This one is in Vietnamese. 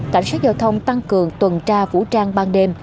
và tăng cường tuần tra vũ trang ban đêm